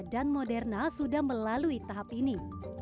dan moderna sudah melalui tahap ini